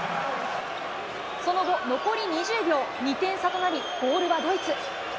その後、残り２０秒、２点差となり、ボールはドイツ。